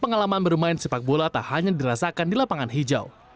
pengalaman bermain sepak bola tak hanya dirasakan di lapangan hijau